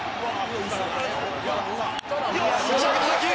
打ち上げた打球！